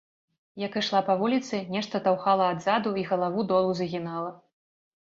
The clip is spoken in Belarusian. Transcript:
Як ішла па вуліцы, нешта таўхала адзаду і галаву долу загінала.